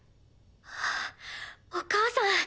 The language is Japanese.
あっお母さん。